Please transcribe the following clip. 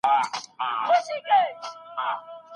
ارام ذهن د انسان لپاره تر ټولو غوره ډالۍ ده.